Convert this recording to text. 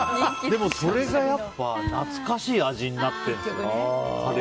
でもそれがやっぱ懐かしい味になってる。